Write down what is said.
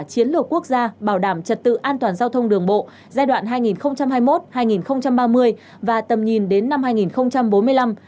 chiến lược quốc gia bảo đảm trật tự an toàn giao thông đường bộ giai đoạn hai nghìn hai mươi một hai nghìn ba mươi và tầm nhìn đến năm hai nghìn bốn mươi năm